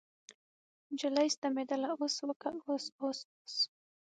نجلۍ ستمېدله اوس وکه اوس اوس اوس.